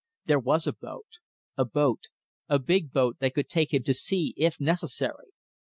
There was a boat. A boat. A big boat that could take him to sea if necessary.